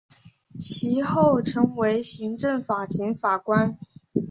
其后成为行政法庭法官。